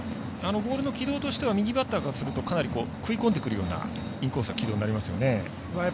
ボールの軌道としては右バッターからするとかなり食い込んでくるようなインコースの軌道になりますよね。